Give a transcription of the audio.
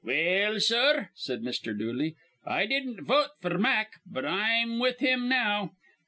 "Well, sir," said Mr. Dooley, "I didn't vote f'r Mack, but I'm with him now.